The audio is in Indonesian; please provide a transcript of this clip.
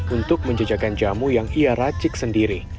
untuk menjejakan jamu yang ia racik sendiri